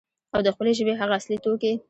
او د خپلې ژبې هغه اصلي توکي،